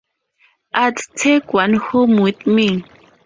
I'd take one home with me.